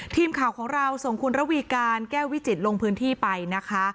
ทีมข่าวของเราส่งคุณระวีการแก้ววิจิตรลงพื้นที่ไปนะคะ